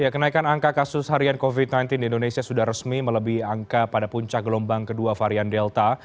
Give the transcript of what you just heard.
kenaikan angka kasus harian covid sembilan belas di indonesia sudah resmi melebih angka pada puncak gelombang kedua varian delta